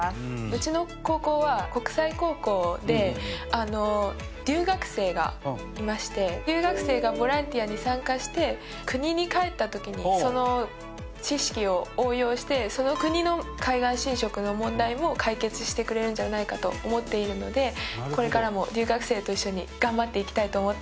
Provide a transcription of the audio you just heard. うちの高校は留学生がボランティアに参加して国に帰った時にその知識を応用してその国の海岸侵食の問題も解決してくれるんじゃないかと思っているのでこれからも留学生と一緒に頑張っていきたいと思ってます。